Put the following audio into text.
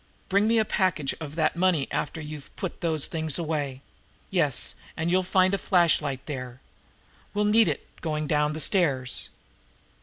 "Bring me a package of that money after you've put those things away yes, and you'll find a flashlight there. We'll need it going down the stairs."